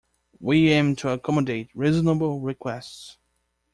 We aim to accommodate reasonable requests.